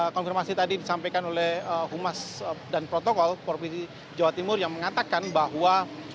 konfirmasi tadi disampaikan oleh humas dan protokol provinsi jawa timur yang mengatakan bahwa